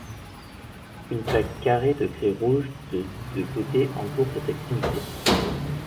Une plaque carrée de grès rouge de de côté entoure cette extrémité.